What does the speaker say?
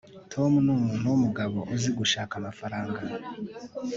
tom numuntu wumugabo uzi gushaka amafaranga